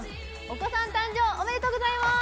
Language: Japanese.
お子さん誕生おめでとうございます！